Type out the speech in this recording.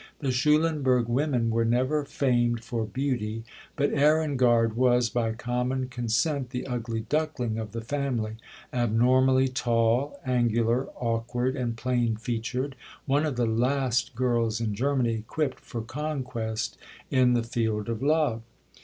The Schulenburg women were never famed for beauty; but Ehrengard was, by common consent, the "ugly duckling" of the family abnormally tall, angular, awkward, and plain featured, one of the last girls in Germany equipped for conquest in the field of love.